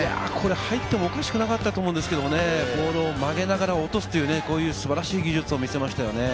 入ってもおかしくなかったと思うんですけどね、ボールを曲げながら落とす、素晴らしい技術を見せましたよね。